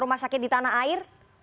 rumah sakit di tanah air